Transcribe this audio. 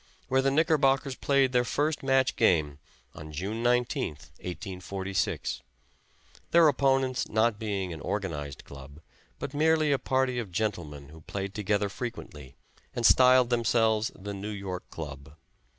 where the Knickerbockers played their first match game on June 19th, 1846, their opponents not being an organized club, but merely a party of gentlemen who played together frequently, and styled themselves the New York Club.